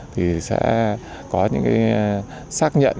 thì sẽ có những xác nhận